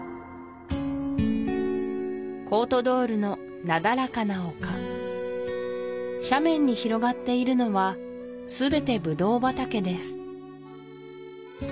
コート・ドールのなだらかな丘斜面に広がっているのは全てブドウ畑です